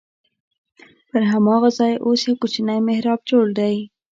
پر هماغه ځای اوس یو کوچنی محراب جوړ دی.